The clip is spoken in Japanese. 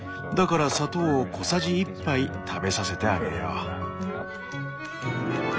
だから砂糖を小さじ１杯食べさせてあげよう。